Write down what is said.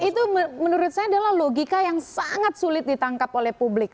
itu menurut saya adalah logika yang sangat sulit ditangkap oleh publik